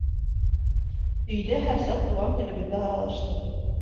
Өйҙә һәр саҡ туған телебеҙҙә аралаштыҡ.